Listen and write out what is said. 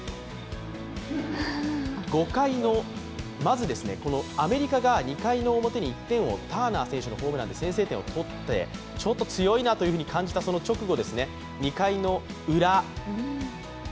まずアメリカが２回表に１点をターナー選手のホームランで先制点を取ってちょっと強いなと感じたその直後ですね、２回のウラ。